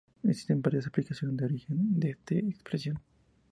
Existen varias explicaciones al origen de esta expresión.